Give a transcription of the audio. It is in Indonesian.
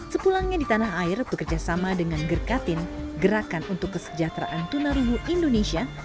sepulangnya di tanah air bekerjasama dengan gerkatin gerakan untuk kesejahteraan tunarungu indonesia